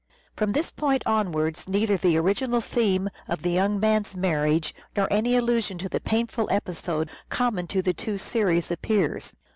From this point onwards neither the original theme of the young man's marriage, nor any allusion to the painful episode common to the two series appears.